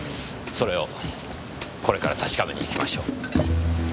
それをこれから確かめに行きましょう。